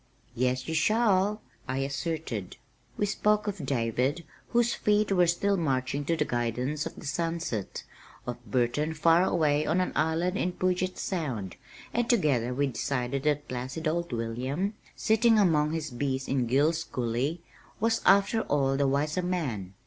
"Yes, you shall," I asserted. We spoke of David whose feet were still marching to the guidons of the sunset, of Burton far away on an Island in Puget Sound, and together we decided that placid old William, sitting among his bees in Gill's Coulee, was after all the wiser man.